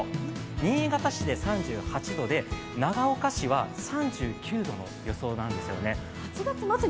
新潟市で３８度で長岡市は３９度の予想なんですよね。